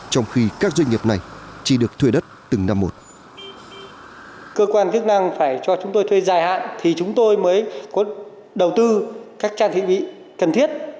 trong khi các doanh nghiệp này chỉ được thuê đất từng năm một